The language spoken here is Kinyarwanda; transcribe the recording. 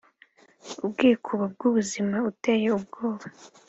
umwikubo w’ubuzima uteye ubwoba